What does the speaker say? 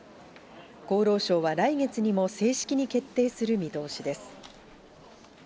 厚労省は、来月にも正式に決定する見通しです。